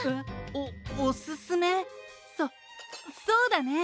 そそうだね。